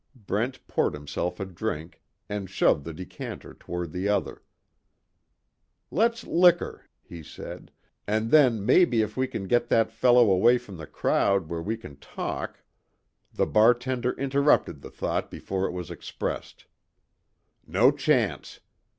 Brent poured himself a drink, and shoved the decanter toward the other, "Let's liquor," he said, "and then maybe if we can get that fellow away from the crowd where we can talk " The bartender interrupted the thought before it was expressed; "No chance.